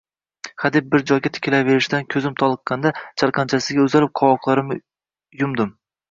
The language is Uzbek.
Hadeb bir joyga tikilaverishdan ko‘zim toliqqanida, chalqanchasiga uzalib, qovoqlarimni yumdim